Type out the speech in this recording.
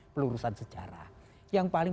pelurusan sejarah yang paling